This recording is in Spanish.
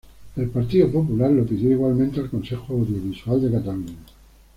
El Partido Popular lo pidió igualmente al Consejo Audiovisual de Cataluña.